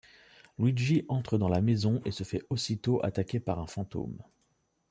Luigi entre dans la maison et se fait aussitôt attaquer par un fantôme.